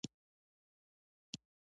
چې د زړه ښکلا نه وي، زنګ به څه وکړي؟